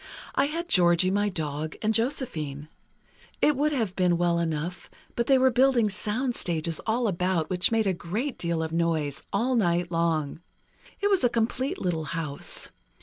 I had Georgie, my dog, and Josephine. It would have been well enough, but they were building soundstages all about, which made a great deal of noise, all night long. It was a complete little house.